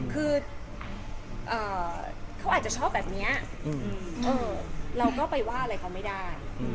คือเขาอาจจะชอบแบบนี้เราก็ไปว่าอะไรเขาไม่ได้